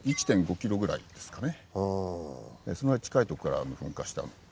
そのぐらい近いとこから噴火した。